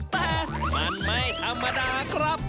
แต่มันไม่ธรรมดาครับ